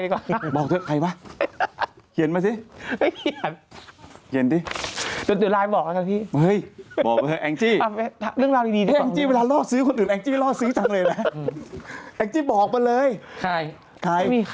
ก็จะมีคนเข้ามาด่าก่อนอะไรอีกใครอีก